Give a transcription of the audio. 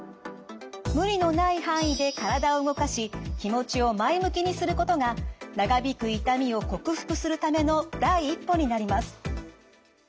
無理のない範囲で体を動かし気持ちを前向きにすることが長引く痛みを克服するための第一歩になります。